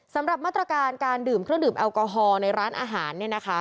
สำหรับมาตรการการดื่มเครื่องดื่มแอลกอฮอล์ในร้านอาหาร